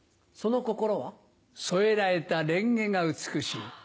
その心は？添えられたレンゲが美しい。